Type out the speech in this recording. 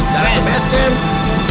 jarang ke base camp